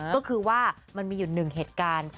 ก็คือว่ามันมีอยู่หนึ่งเหตุการณ์